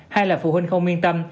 hai là phụ huynh không yên tâm